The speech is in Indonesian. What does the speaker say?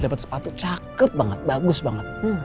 dapat sepatu cakep banget bagus banget